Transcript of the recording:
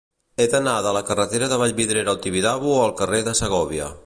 He d'anar de la carretera de Vallvidrera al Tibidabo al carrer de Segòvia.